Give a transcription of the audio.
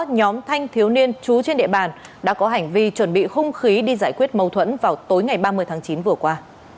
nhóm thanh thiếu niên trú trên địa bàn đã có hành vi chuẩn bị hung khí đi giải quyết mâu thuẫn vào tối ngày ba mươi tháng chín vừa qua